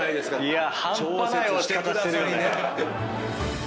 いや半端ない落ち方してるよね。